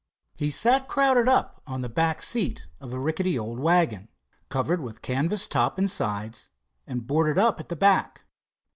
He sat crowded up on the back seat of a rickety old wagon, covered with canvas top and sides, and boarded up at the back.